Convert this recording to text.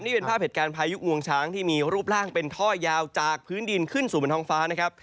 นี่เป็นภาพเหตุการณ์พายุงวงช้างที่มีรูปร่างเป็นท่อยาวจากพื้นดินขึ้นสู่บนท้องฟ้านะครับ